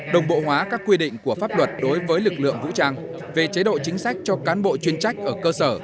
đồng bộ hóa các quy định của pháp luật đối với lực lượng vũ trang về chế độ chính sách cho cán bộ chuyên trách ở cơ sở